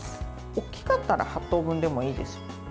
大きかったら８等分でもいいです。